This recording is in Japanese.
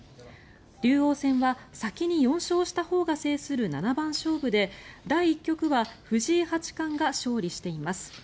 竜王戦は先に４勝したほうが制する七番勝負で第１局は藤井八冠が勝利しています。